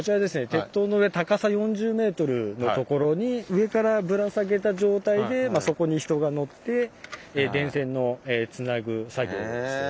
鉄塔の上高さ４０メートルのところに上からぶら下げた状態でそこに人が乗って電線のつなぐ作業をする。